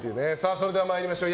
それでは参りましょう。